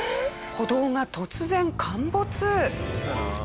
歩道が突然陥没！